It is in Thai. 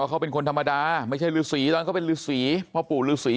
เขาเป็นคนธรรมดาไม่ใช่ฤษีตอนเขาเป็นฤษีพ่อปู่ฤษี